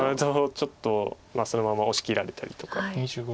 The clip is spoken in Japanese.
ちょっとそのまま押し切られたりとか。